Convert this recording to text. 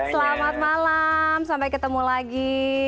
selamat malam sampai ketemu lagi